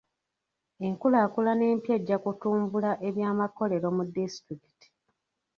Enkulaakulana empya ejja kutumbula eby'amakolero mu disitulikiti.